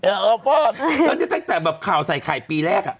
เออพ่อแล้วเนี่ยตั้งแต่แบบข่าวใส่ไข่ปีแรกอ่ะ